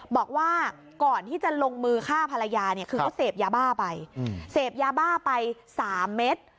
บอกว่าก่อนที่จะลงมือฆ่าภรรยาคือเซฟยาบ้าไป๓เม็ด